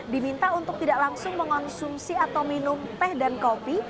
diminta untuk tidak langsung mengonsumsi atau minum teh dan kopi